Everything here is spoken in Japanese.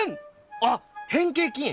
あっ変形菌！